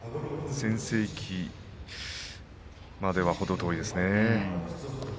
全盛期までは程遠いですね。